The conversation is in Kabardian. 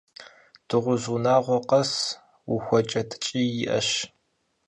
Дыгъужь унагъуэ къэс ухуэкӏэ ткӏий иӏэщ.